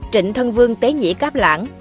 trịnh thân vương tế nhĩ cáp lãng